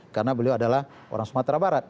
karena beliau adalah orang sumatera barat